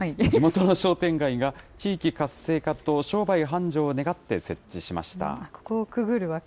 地元の商店街が、地域活性化と商売繁盛を願って設置しました。